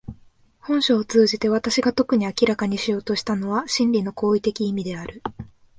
本書を通じて私が特に明らかにしようとしたのは真理の行為的意味である。